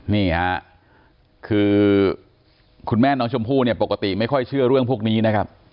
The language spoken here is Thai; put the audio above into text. นี่ค่ะคือคุณแม่น้องชมพู่เนี่ยปกติไม่ค่อยเชื่อเรื่องพวกนี้นะครับ